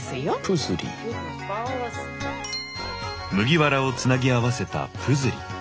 麦わらをつなぎ合わせたプズリ。